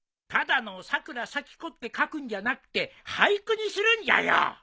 ただのさくらさきこって書くんじゃなくて俳句にするんじゃよ。